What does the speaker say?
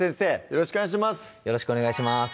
よろしくお願いします